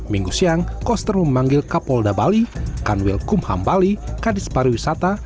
minggu siang koester memanggil kapolda bali kanwil kumham bali kadis para wisata